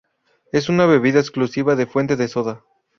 Es una bebida exclusiva de fuente de soda.